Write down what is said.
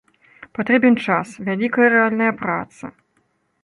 Патрэбен час, вялікая рэальная праца.